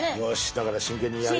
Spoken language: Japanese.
だから真剣にやるよ。